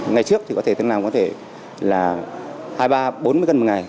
ngày trước thì có thể tất nào có thể là hai ba bốn mươi cân một ngày